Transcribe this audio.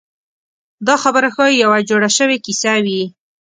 دا خبره ښایي یوه جوړه شوې کیسه وي.